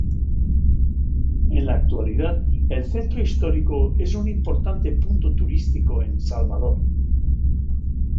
En la actualidad, el centro histórico es un importante punto turístico en Salvador.